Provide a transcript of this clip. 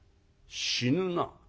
「死ぬな」。